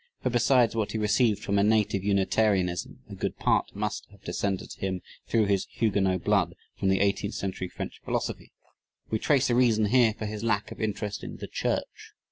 For besides what he received from a native Unitarianism a good part must have descended to him through his Huguenot blood from the "eighteenth century French philosophy." We trace a reason here for his lack of interest in "the church."